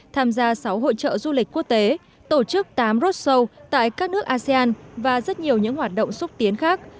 tham gia sáu hội trợ du lịch quốc tế tổ chức tám rodshow tại các nước asean và rất nhiều những hoạt động xúc tiến khác